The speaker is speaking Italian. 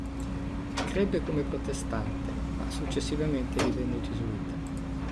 Crebbe come protestante ma successivamente divenne gesuita.